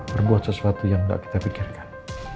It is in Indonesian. berbuat sesuatu yang tidak kita pikirkan